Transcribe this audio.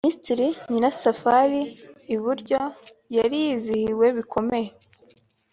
Minisitiri Nyirasafari (iburyo) yari yizihiwe bikomeye